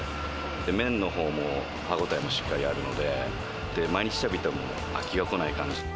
麺のほうも歯ごたえもしっかりあるので、毎日食べても飽きがこな